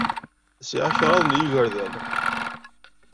Sɛiɣ kraḍ n yigerdan.